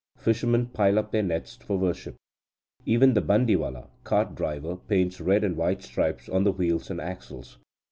Fishermen pile up their nets for worship. Even the bandywala (cart driver) paints red and white stripes on the wheels and axles.